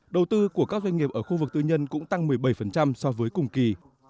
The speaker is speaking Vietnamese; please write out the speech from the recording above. đầu tư của các doanh nghiệp ở khu vực tư nhân cũng tăng một mươi bảy so với cùng kỳ